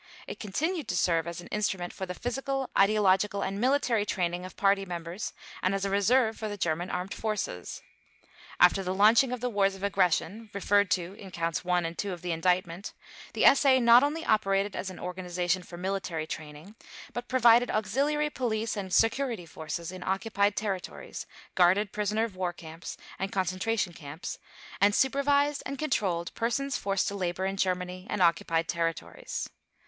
It continued to serve as an instrument for the physical, ideological, and military training of Party members and as a reserve for the German Armed Forces. After the launching of the wars of aggression, referred to in Counts One and Two of the Indictment, the SA not only operated as an organization for military training but provided auxiliary police and security forces in occupied territories, guarded prisoner of war camps and concentration camps and supervised and controlled persons forced to labor in Germany and occupied territories.